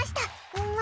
うま。